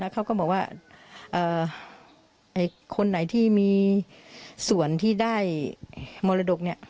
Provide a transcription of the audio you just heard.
เขาก็บอกว่าคนไหนที่มีส่วนที่ได้มรดก